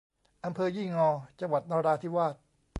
อำเภอยี่งอ จังหวัดนราธิวาส